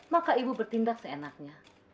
maka ibu bertindak seenaknya